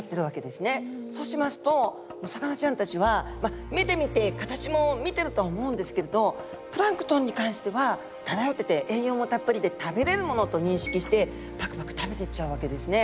そうしますとお魚ちゃんたちは目で見て形も見てるとは思うんですけれどプランクトンに関しては漂ってて栄養もたっぷりで食べれるものと認識してパクパク食べてっちゃうわけですね。